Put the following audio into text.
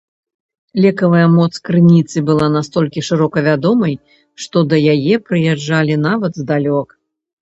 Лекавая моц крыніцы была настолькі шырока вядомай, што да яе прыязджалі нават здалёк.